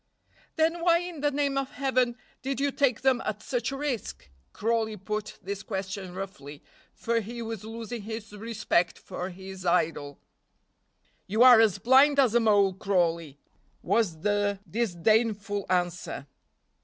"Then why in the name of Heaven did you take them at such a risk?" Crawley put this question roughly, for he was losing his respect for his idol. "You are as blind as a mole, Crawley," was the disdainful answer.